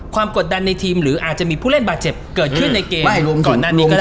กดดันในทีมหรืออาจจะมีผู้เล่นบาดเจ็บเกิดขึ้นในเกมก่อนหน้านี้ก็ได้